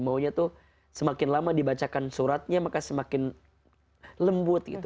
maunya tuh semakin lama dibacakan suratnya maka semakin lembut gitu